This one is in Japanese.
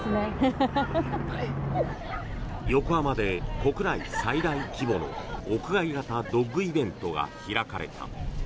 横浜で国内最大規模の屋外型ドッグイベントが開かれた。